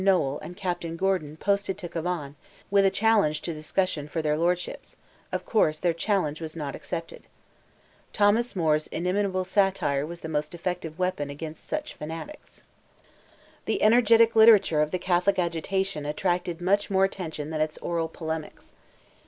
Noel and Captain Gordon posted to Cavan, with a challenge to discussion for their lordships; of course, their challenge was not accepted. Thomas Moore's inimitable satire was the most effective weapon against such fanatics. The energetic literature of the Catholic agitation attracted much more attention than its oral polemics.